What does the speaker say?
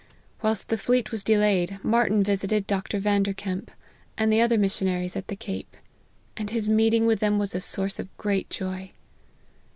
Whilst the fleet was delayed, Martyn visited Dr. Vanderkemp, and the other missionaries at the cape, and his meeting with them was a source of great joy.